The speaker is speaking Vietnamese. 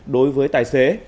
đối với tài xế